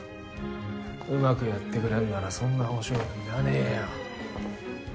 うまくやってくれるならそんな保証はいらねぇよ。